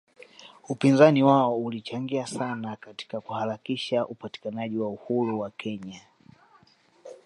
Upinzani wao ulichangia sana katika kuharakisha upatikanaji wa uhuru wa Kenya